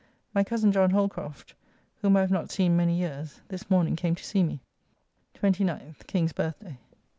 My cozen John Holcroft (whom I have not seen many years) this morning came to see me. 29th (King's birth day).